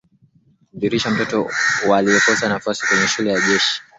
Kumridhisha mtoto wa aliyekosa nafasi kwenye shule ya jeshi walimtafutia mafunzo yasiyo rasmi